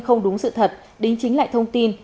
không đúng sự thật đính chính lại thông tin